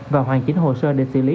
và hoàn chính hồ sơ để xử lý